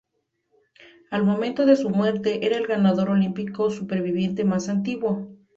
Al momento de su muerte, era el ganador olímpico superviviente más antiguo.